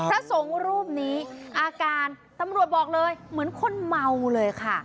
พระสงฆ์รูปนี้อาการตำรวจบอกเลยเหมือนคนเมาเลยค่ะ